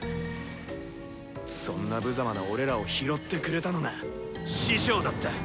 そんなぶざまな俺らを拾ってくれたのが師匠だった！